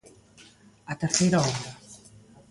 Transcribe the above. A terceira onda.